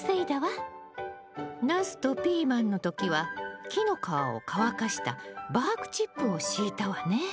ナスとピーマンの時は木の皮を乾かしたバークチップを敷いたわね。